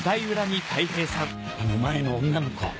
あの前の女の子。